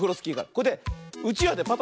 これでうちわでパタパタして。